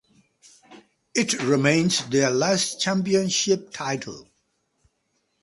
It remains their last championship title.